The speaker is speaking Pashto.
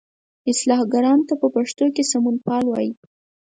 اصلاح ګرا ته په پښتو کې سمونپال وایي.